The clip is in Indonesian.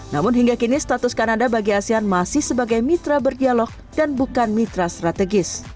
namun hingga kini status kanada bagi asean masih sebagai mitra berdialog dan bukan mitra strategis